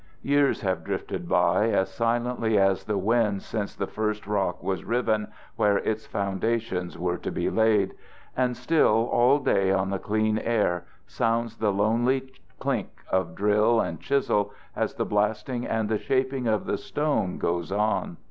Years have drifted by as silently as the winds since the first rock was riven where its foundations were to be laid, and still all day on the clean air sounds the lonely clink of drill and chisel as the blasting and the shaping of the stone goes on.